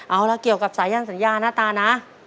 เอาละเกี่ยวกับสายันสัญญานะตานะ